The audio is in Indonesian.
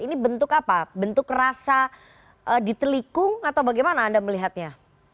ini bentuk apa bentuk rasa ditelikung atau bagaimana anda melihatnya